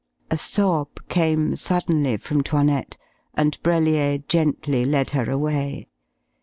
A sob came suddenly from 'Toinette, and Brellier gently led her away.